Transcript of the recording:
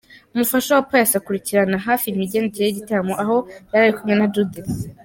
Umufasha wa Pius akurikiranira hafi imigendekere y'igitaramo aha yarari kumwe na Judith.